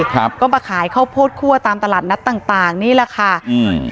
ครับก็มาขายข้าวโพดคั่วตามตลาดนัดต่างต่างนี่แหละค่ะอืม